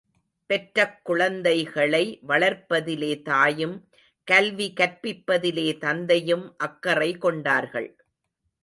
பெற்றக் குழந்தைகளை வளர்ப்பதிலே தாயும், கல்வி கற்பிப்பதிலே தந்தையும் அக்கறை கொண்டார்கள்.